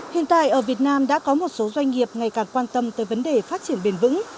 hiện tại ở việt nam đã có một số doanh nghiệp ngày càng quan tâm tới vấn đề phát triển bền vững